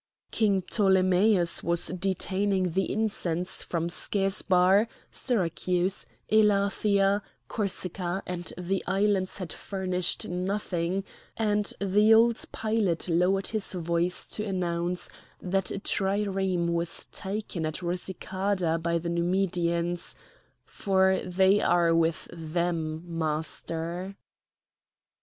King Ptolemæus was detaining the incense from Schesbar; Syracuse, Elathia, Corsica, and the islands had furnished nothing, and the old pilot lowered his voice to announce that a trireme was taken at Rusicada by the Numidians,—"for they are with them, Master."